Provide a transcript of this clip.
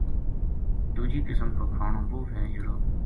دُوجی قسم کو کھانو وہ وھے جہڑو